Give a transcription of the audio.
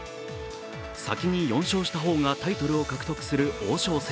先に４勝した方がタイトルを獲得する王将戦。